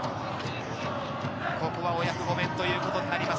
ここはお役御免ということになります。